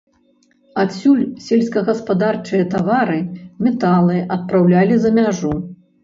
Адсюль сельскагаспадарчыя тавары, металы адпраўлялі за мяжу.